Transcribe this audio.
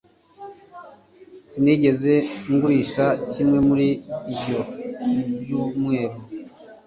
sinigeze ngurisha kimwe muri ibyo mu byumweru